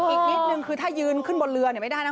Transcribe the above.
อีกนิดนึงคือถ้ายืนขึ้นบนเรือไม่ได้นะ